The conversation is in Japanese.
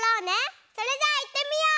それじゃあいってみよう！